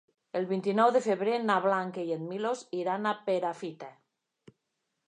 El vint-i-nou de febrer na Blanca i en Milos iran a Perafita.